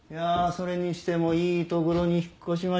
それにしてもいいところに引っ越しましたね。